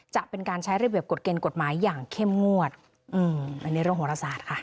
จะเป็นการใช้ระเบียบกฎเกณฑ์กฎหมายอย่างเข้มงวดอืมอันนี้เรื่องโหรศาสตร์ค่ะ